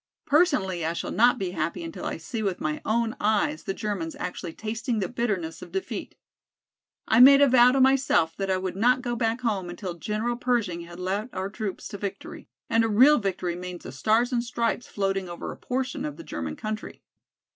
Personally I shall not be happy until I see with my own eyes the Germans actually tasting the bitterness of defeat. I made a vow to myself that I would not go back home until General Pershing had led our troops to victory, and a real victory means the stars and stripes floating over a portion of the German country."